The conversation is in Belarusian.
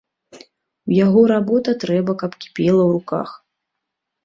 У яго работа трэба каб кіпела ў руках.